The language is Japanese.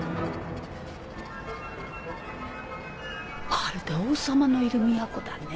まるで王様のいる都だね。